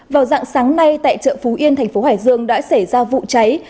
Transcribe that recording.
vào dạng sáng nay tại chợ phú yên thành phố hải dương đã xảy ra vụ cháy